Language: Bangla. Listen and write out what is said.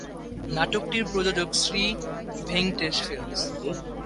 নাটকটির প্রযোজক শ্রী ভেঙ্কটেশ ফিল্মস।